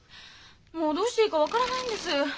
もうどうしていいか分からないんです。